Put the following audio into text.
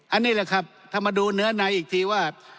อันนี้แหละครับถ้ามาดูเนื้อในอีกทีว่า